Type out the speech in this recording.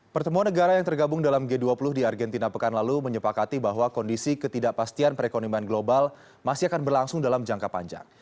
pertemuan negara yang tergabung dalam g dua puluh di argentina pekan lalu menyepakati bahwa kondisi ketidakpastian perekonomian global masih akan berlangsung dalam jangka panjang